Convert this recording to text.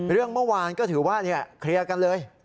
เรื่องเมื่อวานก็ถือว่านี่แถวนี้เคลียร์กันเลย